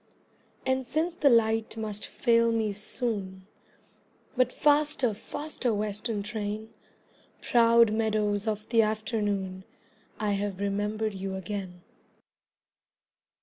And since the light must fail me soon (But faster, faster, Western train!) Proud meadows of the afternoon, I have remembered you again.